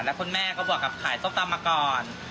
แล้วคุณแม่ก็บวกกับขายส้มตำมาก่อน